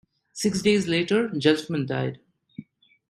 Six days later, Gelfman died.